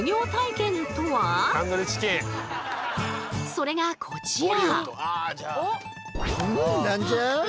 それがこちら。